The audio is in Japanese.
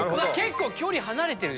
結構距離離れてる。